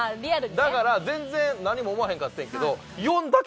だから全然何も思わへんかってんけど。